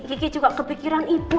kiki juga kepikiran ibu